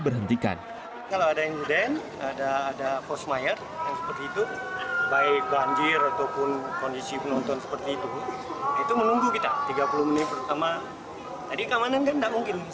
serahkan ke sana